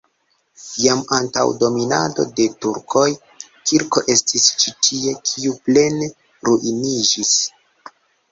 Jam antaŭ dominado de turkoj kirko estis ĉi tie, kiu plene ruiniĝis.